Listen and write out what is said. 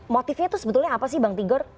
motifnya itu sebetulnya apa sih bang tigor